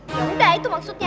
ya udah itu maksudnya